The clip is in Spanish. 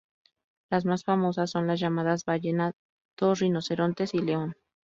Las más famosas son las llamadas Ballena, Dos rinocerontes y León.